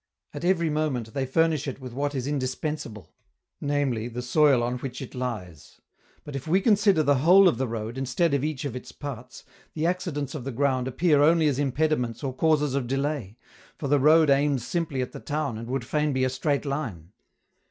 At every moment they furnish it with what is indispensable, namely, the soil on which it lies; but if we consider the whole of the road, instead of each of its parts, the accidents of the ground appear only as impediments or causes of delay, for the road aims simply at the town and would fain be a straight line.